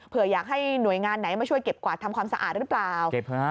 เพื่ออยากให้หน่วยงานไหนมาช่วยเก็บกวาดทำความสะอาดหรือเปล่า